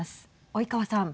及川さん。